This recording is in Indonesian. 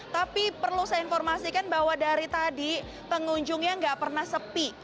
tapi perlu saya informasikan bahwa dari tadi pengunjungnya nggak pernah sepi